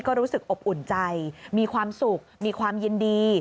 ก็รู้สึกอบอุ่นใจมีความสุขมีความยินดี